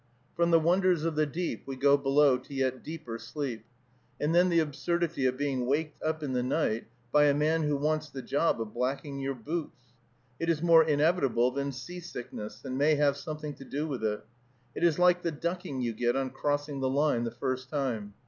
From the wonders of the deep we go below to yet deeper sleep. And then the absurdity of being waked up in the night by a man who wants the job of blacking your boots! It is more inevitable than seasickness, and may have something to do with it. It is like the ducking you get on crossing the line the first time.